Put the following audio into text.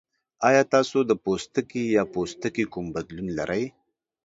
ایا تاسو د پوستکي یا پوستکي کوم بدلون لرئ؟